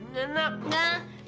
nggak nggak nggak mau ini